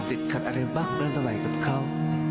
ติดขัดอะไรบ้างเป็นอะไรกับเขา